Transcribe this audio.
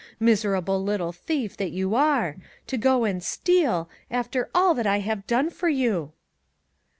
Miserable little thief that you are ! to go and steal, after all that I have done for you."